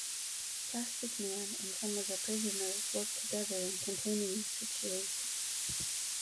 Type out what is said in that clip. Plastic Man and some of the prisoners worked together in containing the situation.